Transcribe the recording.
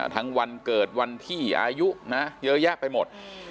วันเกิดวันที่อายุนะเยอะแยะไปหมด